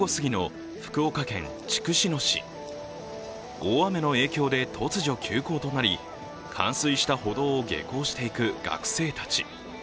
大雨の影響で突如休校となり冠水した歩道を下校していく学生たち。